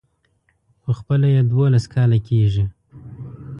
خو خپله يې دولس کاله کېږي.